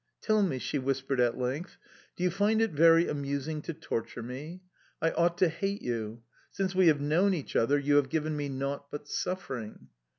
"Tell me," she whispered at length, "do you find it very amusing to torture me? I ought to hate you. Since we have known each other, you have given me naught but suffering"...